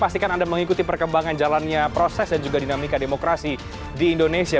pastikan anda mengikuti perkembangan jalannya proses dan juga dinamika demokrasi di indonesia